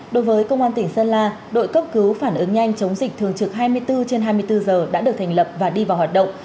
đối với công an tỉnh sơn la đội cấp cứu phản ứng nhanh chống dịch thường trực hai mươi bốn trên hai mươi bốn giờ đã được thành lập và đi vào hoạt động